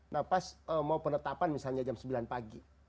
nah pas mau penetapan misalnya jam sembilan pagi